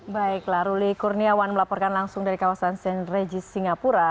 baiklah ruli kurniawan melaporkan langsung dari kawasan sengdrejis singapura